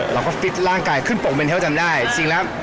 เราก็ฟิตร่างกายขึ้นโปรคนเมนเทิ้ลจำได้